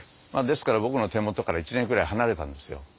ですから僕の手元から１年くらい離れたんですよ。